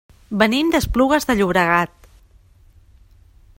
Venim d'Esplugues de Llobregat.